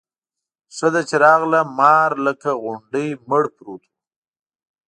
ښځه چې راغله مار لکه غونډی مړ پروت و.